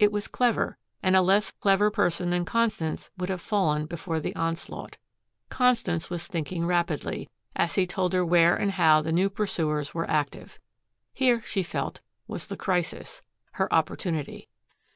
It was clever and a less clever person than Constance would have fallen before the onslaught. Constance was thinking rapidly, as he told her where and how the new pursuers were active. Here, she felt, was the crisis, her opportunity.